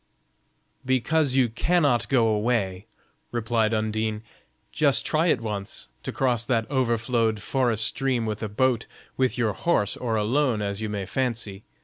"Because you cannot go away," replied Undine. "Just try it once, to cross that overflowed forest stream with a boat, with your horse, or alone, as you may fancy.